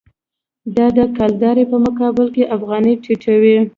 دا د کلدارې په مقابل کې افغانۍ ټیټوي.